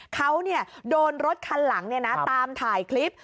เขาโดนรถคันหลังตามถ่ายคลิป